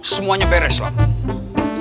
semuanya beres lam